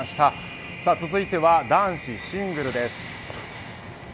続いては男子シングルです。